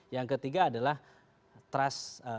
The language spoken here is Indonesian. yang ketiga adalah trust